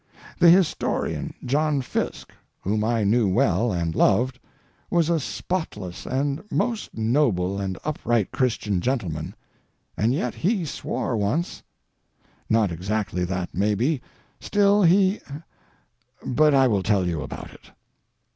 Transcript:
The historian, John Fiske, whom I knew well and loved, was a spotless and most noble and upright Christian gentleman, and yet he swore once. Not exactly that, maybe; still, he—but I will tell you about it.